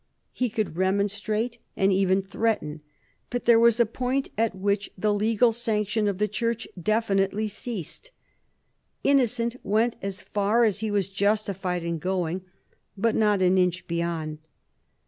He could remonstrate and even threaten, but there was a point at which the legal sanction of the church definitely ceased. Innocent went as far as he was justified in going, but not an inch beyond.